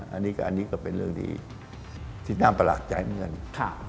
อันนี้ก็เป็นเรื่องที่น่าประหลาดใจเหมือนกัน